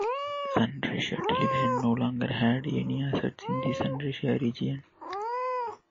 Sunraysia Television no longer had any assets in the Sunraysia region.